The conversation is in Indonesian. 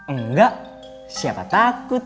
enggak siapa takut